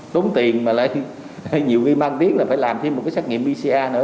tốn tiền mà lại nhiều khi mang tiếng là phải làm thêm một cái xét nghiệm pcr nữa